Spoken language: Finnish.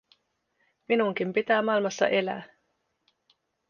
Minunkin pitää maailmassa elää.